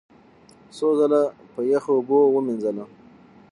څو ځله په یخو اوبو ومینځله،